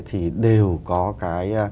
thì đều là một trong những cái hội nhập